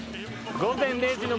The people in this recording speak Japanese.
「午前０時の森」